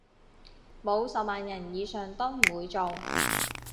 冇十萬人以上都唔會做